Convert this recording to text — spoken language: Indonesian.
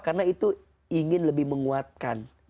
karena itu ingin lebih menguatkan